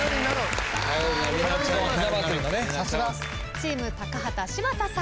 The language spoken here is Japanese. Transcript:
チーム高畑柴田さん。